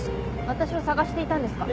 私を探していたんですか？